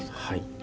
はい。